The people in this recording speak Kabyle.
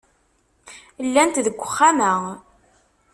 Llant deg uxxam-a.